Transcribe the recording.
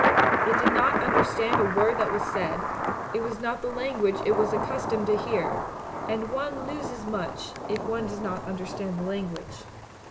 It did not understand a word that was said; it was not the language it was accustomed to hear, and one loses much if one does not understand the language.